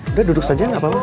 udah duduk aja gapapa